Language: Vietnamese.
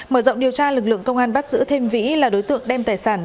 mở rộng điều tra lực lượng công an bắt giữ thêm vĩ là đối tượng đem tài sản